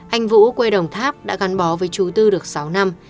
anh vũ quê đồng tháp đã gắn bó với chú tư được sáu năm